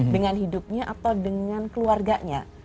dengan hidupnya atau dengan keluarganya